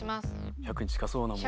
１００に近そうなものを？